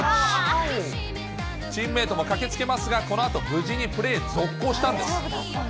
チームメートも駆けつけますがこのあと、無事にプレー続行したんです。